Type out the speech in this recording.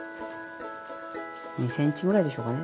２ｃｍぐらいでしょうかね？